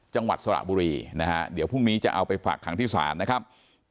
จังหวัดสระบุรีนะฮะเดี๋ยวพรุ่งนี้จะเอาไปฝากขังที่ศาลนะครับ